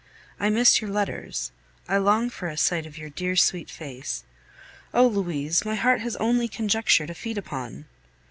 I miss your letters, I long for a sight of your dear, sweet face. Oh! Louise, my heart has only conjecture to feed upon!